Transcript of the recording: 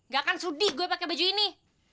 gak akan sudi gue pakai baju ini